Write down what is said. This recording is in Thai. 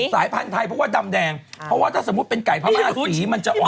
สายพันธุ์ไทยเพราะว่าดำแดงเพราะว่าถ้าสมมุติเป็นไก่พม่าสีมันจะอ่อน